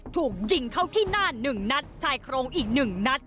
ถูกยิงเขาที่หน้าหนึ่งนัดชายโครงอีกหนึ่งนัด